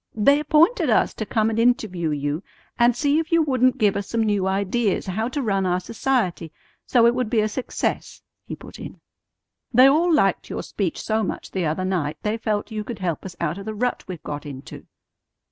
"They appointed us to come and interview you, and see if you wouldn't give us some new ideas how to run our society so it would be a success," he put in. "They all liked your speech so much the other night they felt you could help us out of the rut we've got into."